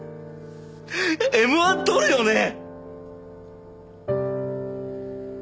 Ｍ‐１獲るよね？